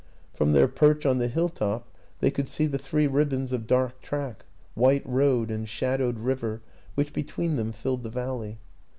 From their perch on the hill top they could see the three ribbons of dark track, white road and shadowed river which be tween them filled the valley.